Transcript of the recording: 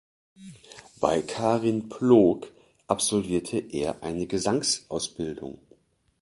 Bei Karin Ploog absolvierte er eine Gesangsausbildung.